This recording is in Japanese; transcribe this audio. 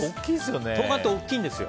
冬瓜って大きいんですよ。